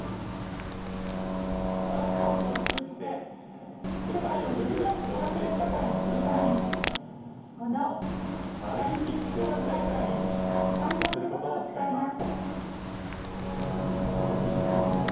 パラスポーツを通じて、世界をよりよい共生社会にするためにこのパラリンピック競技大会に参加することを誓います。